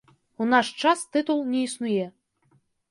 У наш час тытул не існуе.